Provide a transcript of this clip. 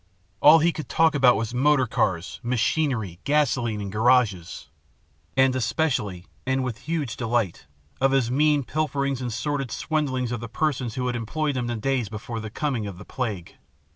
All he could talk about was motor cars, machinery, gasoline, and garages and especially, and with huge delight, of his mean pilferings and sordid swindlings of the persons who had employed him in the days before the coming of the plague.